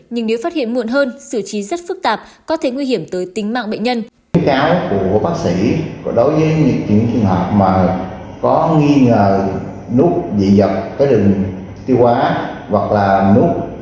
nhưng nếu phát hiện muộn hơn xử trí rất phức tạp có thể nguy hiểm tới tính mạng bệnh nhân